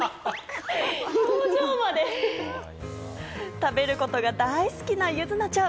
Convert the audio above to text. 食べることが大好きな柚凪ちゃん。